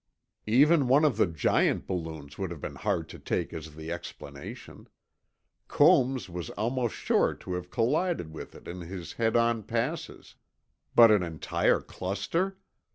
Even one of the giant balloons would have been hard to take as the explanation. Combs was almost sure to have collided with it in his head on passes. But an entire cluster!